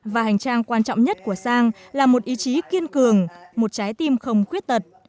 và hành trang quan trọng nhất của sang là một ý chí kiên cường một trái tim không khuyết tật